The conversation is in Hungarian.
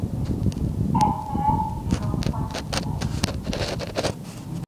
Egyszeres ligakupa győztes.